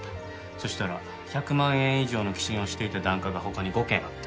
そしたら１００万円以上の寄進をしていた檀家が他に５軒あった。